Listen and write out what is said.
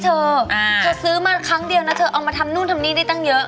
เธอซื้อมาครั้งเดียวมาทำนู่นทำนีได้ตั้งเยอะ